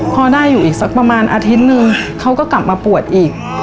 พอได้อยู่อีกสักประมาณอาทิตย์นึงเขาก็กลับมาปวดอีก